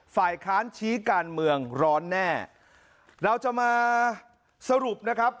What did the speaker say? ฝ่ายค้านชี้การเมืองร้อนแน่เราจะมาสรุปนะครับ